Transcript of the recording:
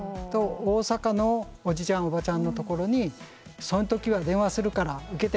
「大阪のおじちゃんおばちゃんのところにその時は電話するから受けてね」